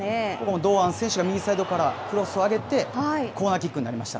堂安選手が右サイドから、クロスを上げて、コーナーキックになりました。